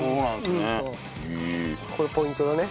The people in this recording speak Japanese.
これポイントだね。